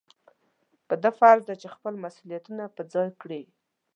په ده فرض دی چې خپل مسؤلیتونه په ځای کړي.